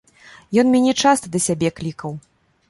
Ён мяне часта да сябе клікаў.